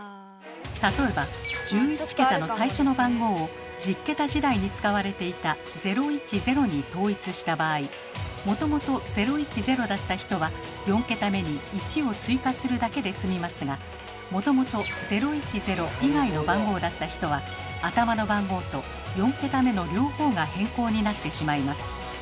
例えば１１桁の最初の番号を１０桁時代に使われていた「０１０」に統一した場合もともと「０１０」だった人は４桁目に「１」を追加するだけですみますがもともと「０１０」以外の番号だった人は頭の番号と４桁目の両方が変更になってしまいます。